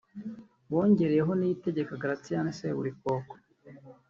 bongereyeho Niyitegeka Gratien (Seburikoko)